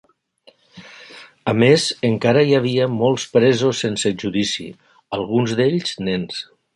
A més encara hi havia molts presos sense judici, alguns d'ells nens.